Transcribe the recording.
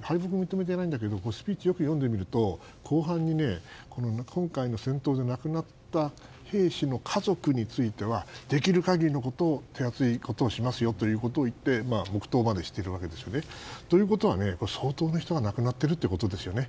敗北を認めていないけどスピーチをよく読むと後半に、今回の戦闘で亡くなった兵士の家族についてはできるかぎり手厚いことをしますよと言って黙祷までしているわけですよ。ということは、相当な人が亡くなっているということですね。